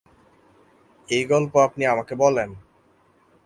এই গল্প আপনি আমাকে বলেন।